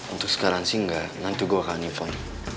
untuk sekarang sih enggak nanti gue akan iphone